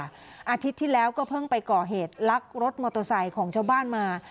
อาทิตย์ที่แล้วก็เพิ่งไปก่อเหตุลักรถมอเตอร์ไซค์ของชาวบ้านมา